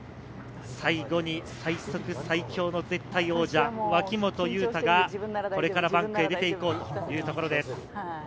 最後に最速・最強の絶対王者・脇本雄太がこれからバンクに出ていこうというところです。